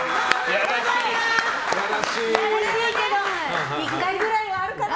やらしいけど１回くらいはあるかな。